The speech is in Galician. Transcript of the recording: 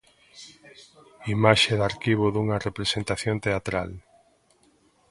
Imaxe de arquivo dunha representación teatral.